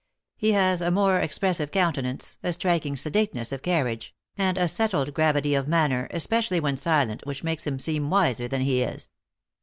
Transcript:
He has a more expressive countenance, a striking sedateness of car riage, and a settled gravity of manner, especially w r hen silent, which makes him seem wiser than he is.